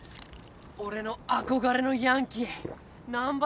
俺の憧れのヤンキー難破